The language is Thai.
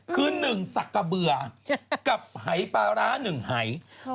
คือหนึ่งสักกระเบื่อกับหายปลาร้าหนึ่งหาย